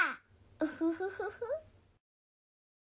ウフフフフ。